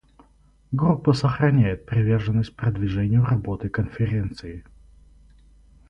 Группа сохраняет приверженность продвижению работы Конференции.